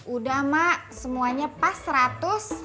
udah mak semuanya pas seratus